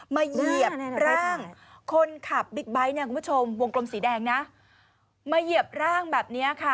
เหยียบร่างคนขับบิ๊กไบท์เนี่ยคุณผู้ชมวงกลมสีแดงนะมาเหยียบร่างแบบนี้ค่ะ